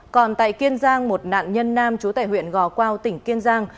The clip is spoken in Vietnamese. còn tại kiên giang một nạn nhân nam chủ tệ huyện gò quao tỉnh kiên giang